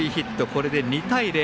これで２対０。